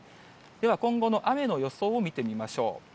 では今後の雨の予想を見てみましょう。